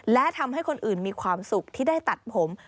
และทำให้คนอื่นมีความสุขที่ได้ตัดผม